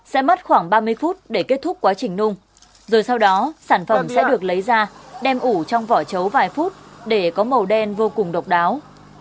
sẽ mất khoảng ba mươi phút để kết thúc quá trình nung rồi sau đó sản phẩm sẽ được lấy ra đem ủ trong vỏ chấu vài phút để có màu đen vô cùng độc đáo